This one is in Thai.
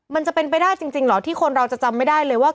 มันจะเป็นไปได้จริงเหรอที่คนเราจะจำไม่ได้เลยว่า